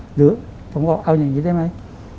หรือผมบอกเอาอย่างนี้ได้ไหม